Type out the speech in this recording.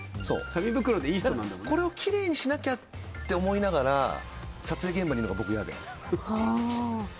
これをきれいにしなきゃって思いながら撮影現場にいるのが嫌で。